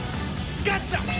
ガッチャ。